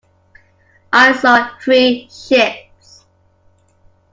I saw three ships.